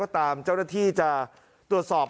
ตามเจ้าหน้าที่จะตรวจสอบ